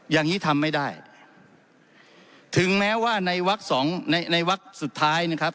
อย่างนี้ทำไม่ได้ถึงแม้ว่าในวักสองในในวักสุดท้ายนะครับ